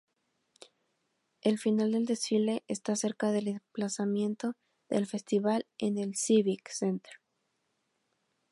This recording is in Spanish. El final del desfile está cerca del emplazamiento del Festival en el Civic Center.